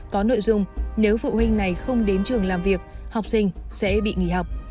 có nội dung nếu phụ huynh này không đến trường làm việc học sinh sẽ bị nghỉ học